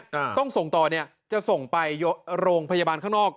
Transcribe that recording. อ่าต้องส่งต่อเนี้ยจะส่งไปโรงพยาบาลข้างนอก